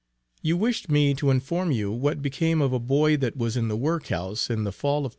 You wished me to inform you what became of a boy that was in the work house in the fall of '39.